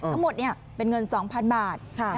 ทั้งหมดเป็นเงิน๒๐๐๐บาท